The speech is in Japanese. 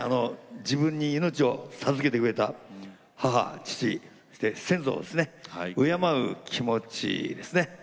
自分に命を授けてくれた母、父先祖ですね、敬う気持ちですね。